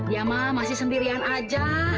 yama masih sendirian aja